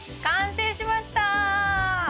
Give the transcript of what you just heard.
完成しました！